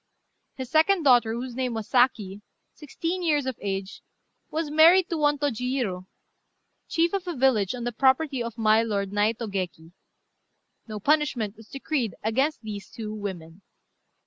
His second daughter, whose name was Saki, sixteen years of age, was married to one Tôjiurô, chief of a village on the property of my lord Naitô Geki. No punishment was decreed against these two women.